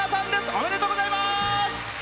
おめでとうございます。